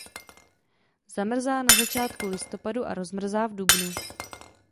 Zamrzá na začátku listopadu a rozmrzá v dubnu.